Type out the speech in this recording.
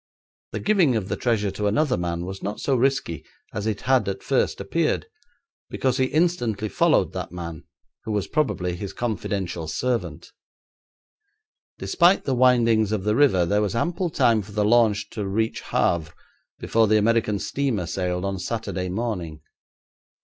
The giving of the treasure to another man was not so risky as it had at first appeared, because he instantly followed that man, who was probably his confidential servant. Despite the windings of the river there was ample time for the launch to reach Havre before the American steamer sailed on Saturday morning.